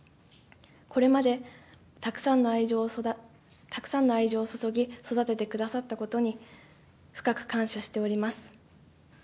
これまで、たくさんの愛情を注ぎ、育ててくださったことに、深く感謝しております。